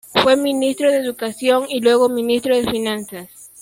Fue ministro de educación y luego ministro de finanzas.